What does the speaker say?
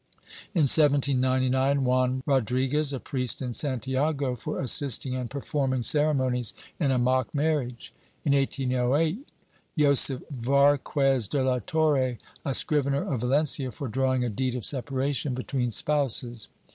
In 1799, Juan Rodriguez, a priest in Santiago, for assisting and performing ceremonies in a mock marriage. In 1808, Josef Varquez de la Torre, a scrivener of Valencia, for drawing a deed of separation between spouses.